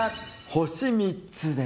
星３つです。